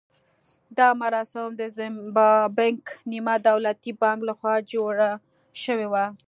دا مراسم د زیمبانک نیمه دولتي بانک لخوا جوړ شوي وو.